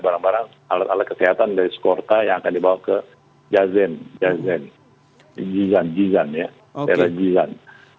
barang barang alat alat kesehatan dari supporter yang akan dibawa ke daerah jizan